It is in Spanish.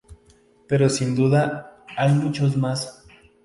Pero sin duda, hay muchos más.